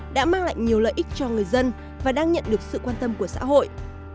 đã mang lại nhiều lợi ích cho người dân và đang nhận được sự quan tâm của xã hội